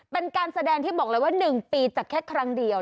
เป็นการแสดงที่บอกเลยว่า๑ปีจากแค่ครั้งเดียว